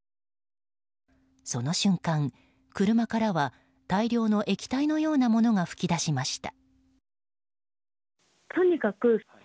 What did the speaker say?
その瞬間、車からは大量の液体のようなものが噴き出しました。